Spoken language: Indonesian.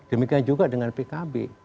demikian juga dengan pkb